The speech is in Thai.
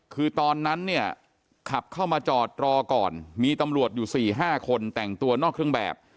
คือตอนนั้นเนี่ยขับเข้ามาจอดรอก่อนมีตำรวจอยู่๔๕คนแต่งตัวนอกเครื่องแบบ